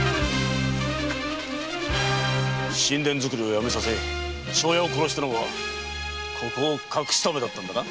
新田作りをやめさせ庄屋を殺したのはここを隠すためだったんだな？